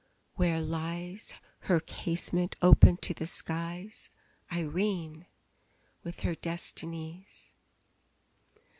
where lies (Her casement open to the skies) Irene, with her Destinies!